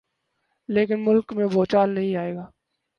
لیکن ملک میں بھونچال نہیں آئے گا۔